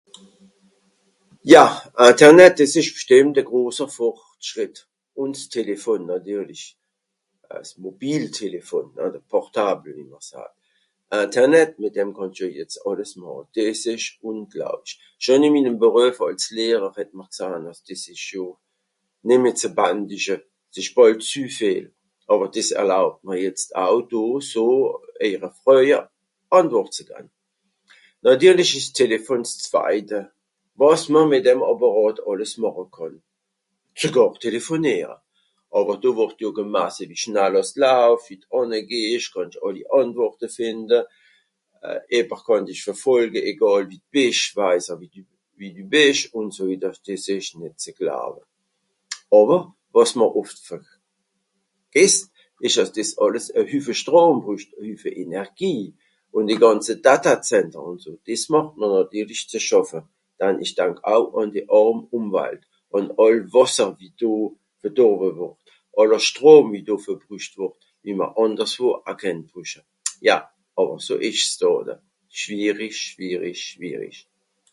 Ja, Internet dìs ìsch bstìmmt e groser Fortschrìtt, ùn s'Téléfon nàtirlisch. S'Mobiltéléfon hein, de Portable, wie mr saat. Internet mìt dem kànnsch jo jetz àlles màche. Dìs ìch ùnglaublich. Schon ìn minnem Beruef àls Lehrer het mr gsahn es ìsch je nemmeh ze bandische, s'ìsch bàll zü vìel. Àwer dìs erlaubt mr jetz au do so èire Fröje Àntwort ze gann. Nàtirlisch ìsch s'Telefon s'zweite, wàs mr mìt'm Àpàrràt àlles màche kànn. Sogàr telefonìere. Àwer do wùrd jo gemasse wie schnall àss i laaf, wie i ànnegeh, ìch kànn àlli Àntwùrte fìnde, äbber kànn ìch verfolje egàl wie bìsch, weis'r wie dü bìsch ùn so wìddersch dìs ìsch nìt ze glawe. Àwer, wàs mr oft vergesst, ìsch àss dìs àlles e Hüffe Strom brücht, e Hüffe Energie, ùn die gànze Datazentrùm. Dìs màcht mr nàtirlisch ze schàffe dann ìch dank au àn de àrm Ùnwalt. Àn àll Wàsser wie do verdowe wùrd, àn all Strom wie do verbrücht wùrd, wo mr ànderswo kennt brüche. Ja, àwer so ìsch's leider. Schwìerisch, schwìrisch, schwìrisch.